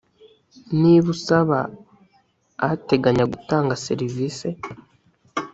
niba usaba ateganya gutanga servise